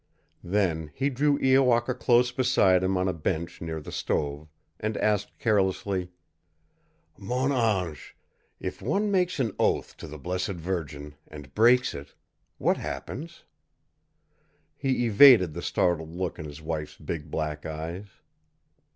Then he drew Iowaka close beside him on a bench near the stove, and asked carelessly: "Mon ange, if one makes an oath to the blessed Virgin, and breaks it, what happens?" He evaded the startled look in his wife's big black eyes.